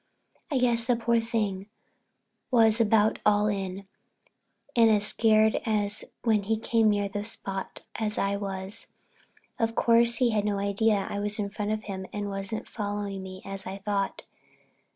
I guess the poor thing was about all in, and was as scared when he came near the place as I was. Of course he had no idea I was in front of him and wasn't following me as I thought.